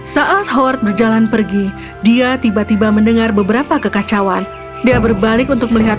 saat howard berjalan pergi dia tiba tiba mendengar beberapa kekacauan dia berbalik untuk melihat